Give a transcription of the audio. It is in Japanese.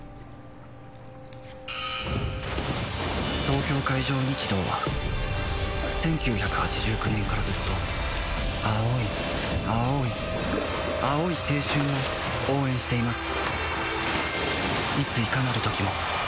東京海上日動は１９８９年からずっと青い青い青い青春を応援しています